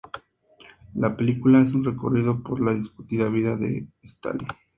La película es un recorrido por la discutida vida de Stalin.